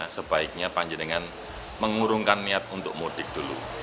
sebaiknya panjenengan mengurungkan niat untuk mudik dulu